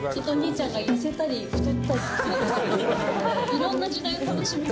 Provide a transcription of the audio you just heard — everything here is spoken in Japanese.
いろんな時代を楽しめる。